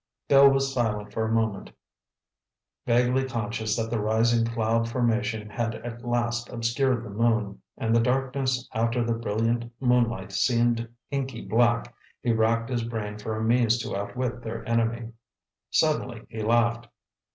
Bill was silent for a moment. Vaguely conscious that the rising cloud formation had at last obscured the moon, and the darkness after the brilliant moonlight seemed inky black, he wracked his brain for a means to outwit their enemy. Suddenly he laughed.